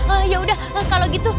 eh bagus dong kalau gitu